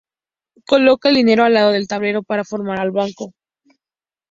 Coloca el dinero al lado del tablero para formar el banco.